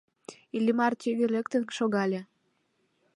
Иллимар тӱгӧ лектын шогале.